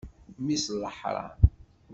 Mmi-s n leḥṛam!